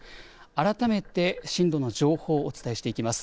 改めて震度の情報をお伝えしていきます。